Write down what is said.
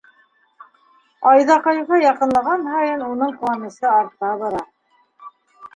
Айҙаҡайға яҡынлаған һайын уның ҡыуанысы арта бара.